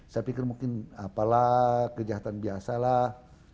saya pikir mungkin apalah kejahatan biasa lah